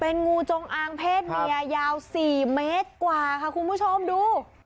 งูจงอางเพศเมียยาว๔เมตรกว่าค่ะคุณผู้ชมดู